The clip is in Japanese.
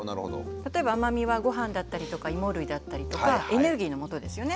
例えば甘味はご飯だったりとか芋類だったりとかエネルギーのもとですよね。